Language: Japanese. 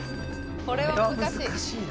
これは難しい。